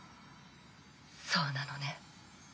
そうなのね？